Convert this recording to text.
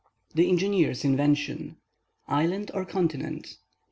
THE ENGINEER'S INVENTION—ISLAND OR CONTINENT?